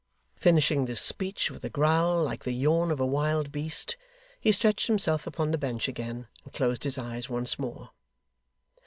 Finishing this speech with a growl like the yawn of a wild beast, he stretched himself upon the bench again, and closed his eyes once more.